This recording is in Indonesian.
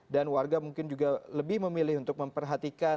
dan warga mungkin juga lebih memilih untuk memperhatikan